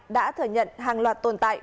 đã thở nhận hàng loạt tồn tại